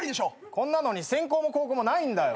こんなのに先攻も後攻もないんだよ。